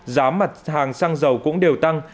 giá mặt hàng xăng dầu cũng đều tăng